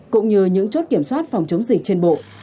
cũng như những chốt kiểm soát phòng chống dịch trên bộ